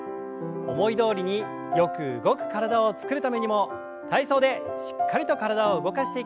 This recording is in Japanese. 思いどおりによく動く体を作るためにも体操でしっかりと体を動かしていきましょう。